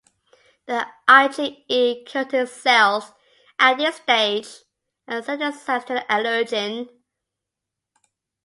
The IgE-coated cells, at this stage, are sensitized to the allergen.